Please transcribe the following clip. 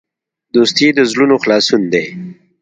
دوستي د زړونو خلاصون دی.